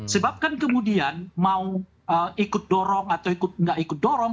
sebab kan kemudian mau ikut dorong atau nggak ikut dorong